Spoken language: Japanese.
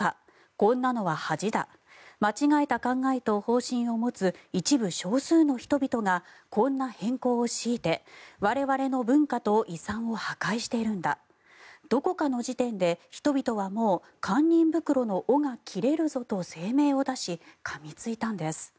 こんなのは恥だ間違えた考えと方針を持つ一部少数の人々がこんな変更を強いて我々の文化と遺産を破壊しているんだどこかの時点で人々はもう堪忍袋の緒が切れるぞと声明を出し、かみついたんです。